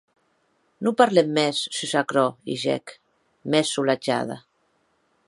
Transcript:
Non parlem mès sus aquerò, higec, mès solatjada.